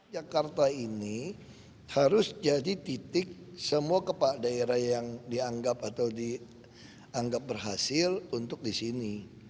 jakarta ini harus jadi titik semua kepala daerah yang dianggap atau dianggap berhasil untuk di sini